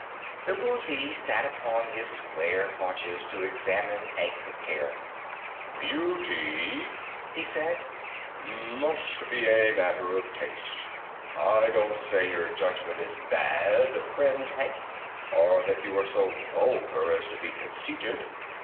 The Woozy sat upon his square haunches to examine Hank with care. "Beauty," he said, "must be a matter of taste. I don't say your judgment is bad, friend Hank, or that you are so vulgar as to be conceited.